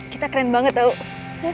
kita keren banget tau